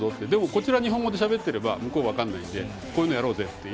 こちら日本語でしゃべってれば向こうは分からないのでこれやろうぜって